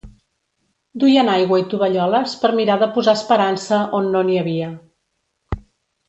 Duien aigua i tovalloles per mirar de posar esperança on no n’hi havia.